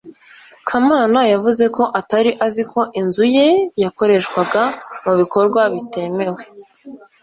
kamana yavuze ko atari azi ko inzu ye yakoreshwaga mu bikorwa bitemewe